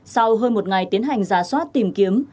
sau hơn một ngày tiến hành giả soát tìm kiếm